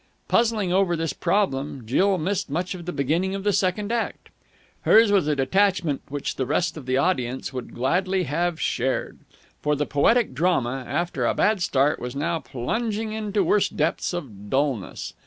Puzzling over this problem, Jill missed much of the beginning of the second act. Hers was a detachment which the rest of the audience would gladly have shared. For the poetic drama, after a bad start, was now plunging into worse depths of dullness.